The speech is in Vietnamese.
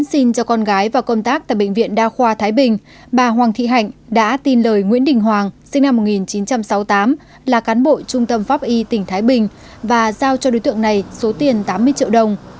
xin chào công tác tại bệnh viện đa khoa thái bình bà hoàng thị hạnh đã tin lời nguyễn đình hoàng sinh năm một nghìn chín trăm sáu mươi tám là cán bộ trung tâm pháp y tỉnh thái bình và giao cho đối tượng này số tiền tám mươi triệu đồng